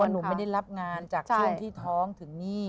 หนูไม่ได้รับงานจากช่วงที่ท้องถึงนี่